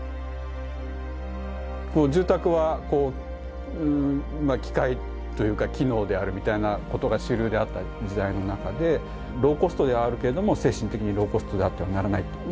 住宅はこうまあ機械というか機能であるみたいなことが主流であった時代の中でローコストではあるけれども精神的にローコストであってはならないと。